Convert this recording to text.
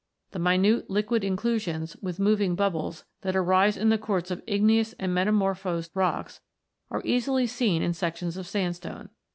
The minute liquid inclusions, with moving bubbles, that arise in the quartz of igneous and metamorphosed rocks, are easily seen in sections of sandstone.